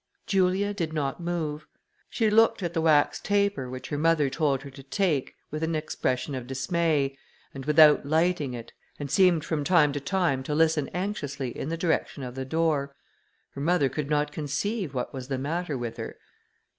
Julia did not move. She looked at the wax taper, which her mother told her to take, with an expression of dismay, and without lighting it, and seemed from time to time, to listen anxiously in the direction of the door. Her mother could not conceive what was the matter with her.